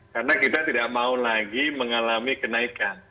karena kita tidak mau lagi mengalami kenaikan